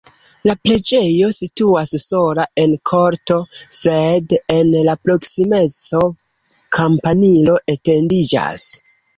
La preĝejo situas sola en korto, sed en la proksimeco kampanilo etendiĝas.